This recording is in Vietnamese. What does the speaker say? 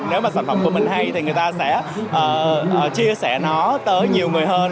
nếu mà sản phẩm của mình hay thì người ta sẽ chia sẻ nó tới nhiều người hơn